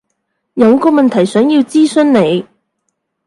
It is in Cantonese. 有個問題想要諮詢你